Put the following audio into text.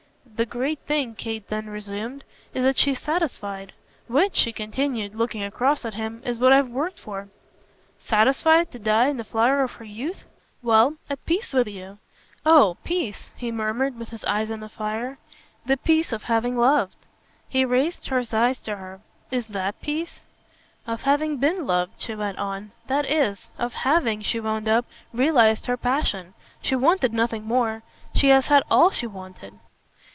"The great thing," Kate then resumed, "is that she's satisfied. Which," she continued, looking across at him, "is what I've worked for." "Satisfied to die in the flower of her youth?" "Well, at peace with you." "Oh 'peace'!" he murmured with his eyes on the fire. "The peace of having loved." He raised his eyes to her. "Is THAT peace?" "Of having BEEN loved," she went on. "That is. Of having," she wound up, "realised her passion. She wanted nothing more. She has had ALL she wanted."